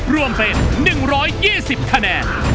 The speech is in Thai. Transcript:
รวมเป็น๑๒๐คะแนน